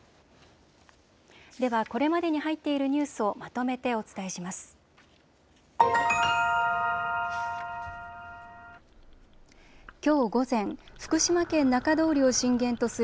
では、これまでに入っているニュースをまとめてお伝えします。